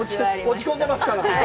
落ち込んでますから。